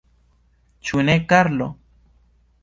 Ĉu ne, Karlo?